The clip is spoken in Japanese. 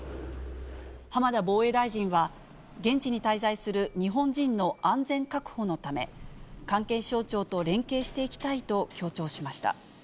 浜田防衛大臣は、現地に滞在する日本人の安全確保のため、関係省庁と連携していきたいと強調しました。